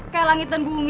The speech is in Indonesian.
kayak langit dan bumi